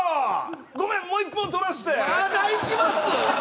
ごめんもう一本撮らせてまだいきます？